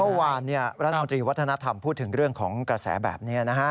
เมื่อวานรัฐมนตรีวัฒนธรรมพูดถึงเรื่องของกระแสแบบนี้นะฮะ